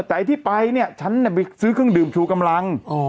แต่ไอ้ที่ไปเนี่ยฉันไปซื้อเครื่องดื่มชูกำลัง